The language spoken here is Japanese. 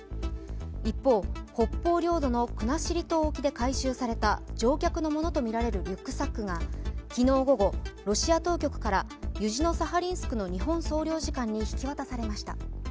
一方、北方領土の国後島沖で回収された乗客のものとみられるリュックサックが昨日午後、ロシア当局からユジノサハリンスクの日本総領事館に引き渡されました。